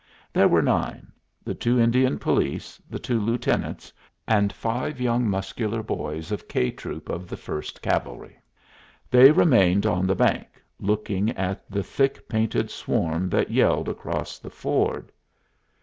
There were nine the two Indian police, the two lieutenants, and five long muscular boys of K troop of the First Cavalry. They remained on the bank, looking at the thick painted swarm that yelled across the ford.